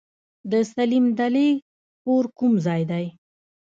د سليم دلې کور کوم ځای دی؟